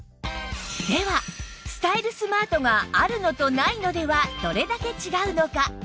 ではスタイルスマートがあるのとないのではどれだけ違うのか？